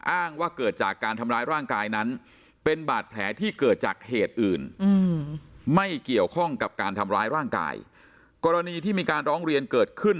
อ้างว่าเกิดจากการทำร้ายร่างกายนั้น